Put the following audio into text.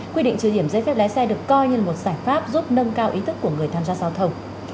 quy định trừ điểm giấy phép lái xe được coi như một giải pháp giúp nâng cao ý thức của người tham gia giao thông